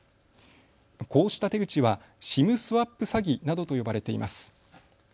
こうした手口はＳＩＭスワップ詐欺などと呼ばれています。